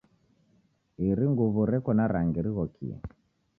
Iri nguw'o reko na rangi righokie.